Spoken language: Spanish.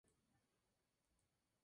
Su escafandra ha quedado en el sifón.